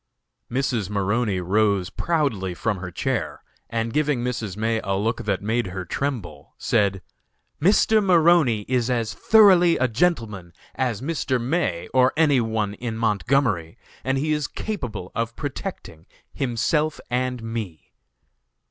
Mrs. Maroney rose proudly from her chair, and giving Mrs. May a look that made her tremble, said: "Mr. Maroney is as thoroughly a gentleman as Mr. May or any one in Montgomery, and he is capable of protecting himself and me."